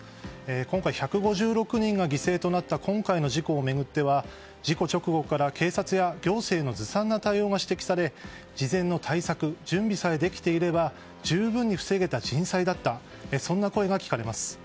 今回１５６人が犠牲となった今回の事故を巡っては事故直後から警察や行政のずさんな対応が指摘され、事前の対策準備さえできていれば十分に防げた人災だったそんな声が聞かれます。